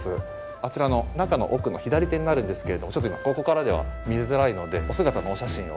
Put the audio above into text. あちらの中の奥の左手になるんですけれどもちょっと今ここからでは見づらいのでお姿のお写真を。